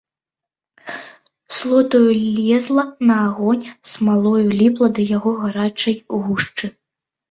Слотаю лезла на агонь, смалою ліпла да яго гарачай гушчы.